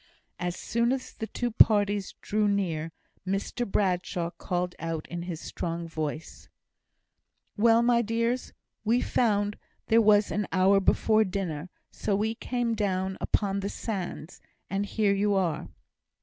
As soon as the two parties drew near, Mr Bradshaw called out in his strong voice, "Well, my dears! we found there was an hour before dinner, so we came down upon the sands, and here you are."